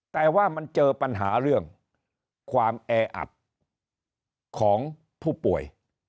แต่ว่ามันเจอปัญหาเรื่องความแออัดของผู้ป่วย